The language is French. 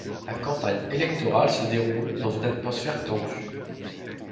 La campagne électorale se déroule dans une atmosphère tendue.